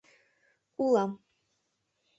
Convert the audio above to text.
Улам.